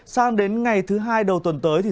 sang đến ngày thứ hai đầu tuần tới